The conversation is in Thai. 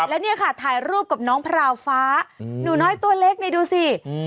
แล้วเนี่ยค่ะถ่ายรูปกับน้องพราวฟ้าหนูน้อยตัวเล็กนี่ดูสิ